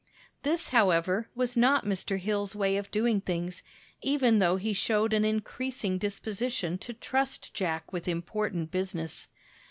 This, however, was not Mr. Hill's way of doing things, even though he showed an increasing disposition to trust Jack with important business.